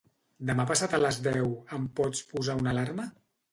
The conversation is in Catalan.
Demà passat a les deu em pots posar una alarma?